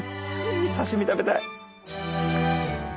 刺身食べたい！